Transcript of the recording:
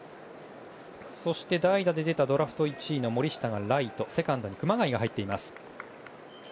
そして、代打で出たドラフト１位の森下がライトセカンドに熊谷が入っています。